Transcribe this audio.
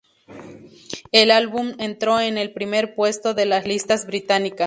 El álbum entró en el primer puesto de las listas británicas.